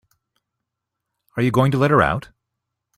Are you going to let her out?